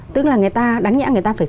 tức là đáng nhẽ người ta phải